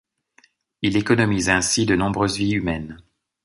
Il économise ainsi de nombreuses vies humaines.